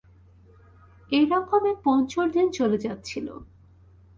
এইরকমে পঞ্চুর দিন চলে যাচ্ছিল।